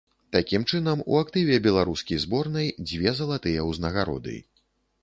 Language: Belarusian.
Такім чынам, у актыве беларускі зборнай дзве залатыя ўзнагароды.